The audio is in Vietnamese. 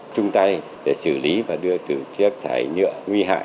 chúng ta để xử lý và đưa từ chất thải nhựa nguy hại